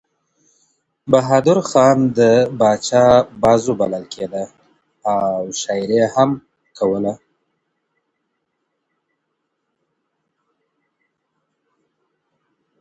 بهادر خان د پاچا بازو بلل کېده او شاعري يې هم کوله.